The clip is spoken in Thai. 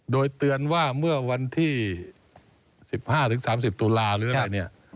โดยเตือนว่าเมื่อวันที่๑๕๓๐ตุลาหรืออะไรเนี่ย